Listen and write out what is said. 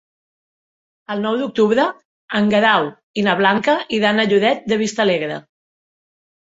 El nou d'octubre en Guerau i na Blanca iran a Lloret de Vistalegre.